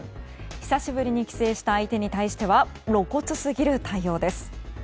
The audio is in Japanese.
久しぶりに帰省した相手に対しては露骨すぎる対応です。